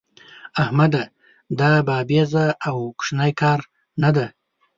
احمده! دا بابېزه او کوشنی کار نه دی.